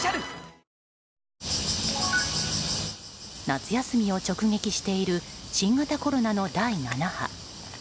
夏休みを直撃している新型コロナの第７波。